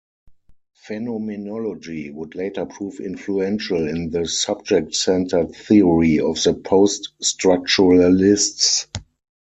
Phenomenology would later prove influential in the subject-centred theory of the post-structuralists.